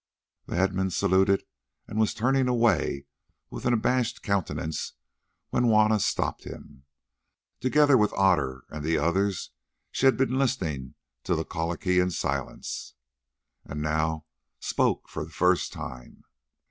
The headman saluted and was turning away with an abashed countenance when Juanna stopped him. Together with Otter and the others she had been listening to the colloquy in silence, and now spoke for the first time.